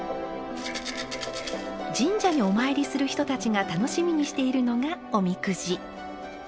神社にお参りする人たちが楽しみにしているのがおみくじ。